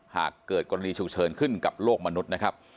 หากเกิดกรณีฉุกเฉินขึ้นกับโลกมนุษย์นะครับ